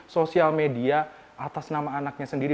sosial media atas nama anaknya sendiri